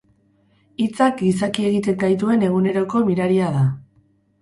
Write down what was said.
Hitzak gizaki egiten gaituen eguneroko miraria dira.